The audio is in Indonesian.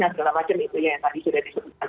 dan segala macam itu yang tadi sudah disampaikan